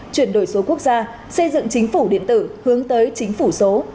chuyển đổi số quốc gia xây dựng chính phủ điện tử hướng tới chính phủ số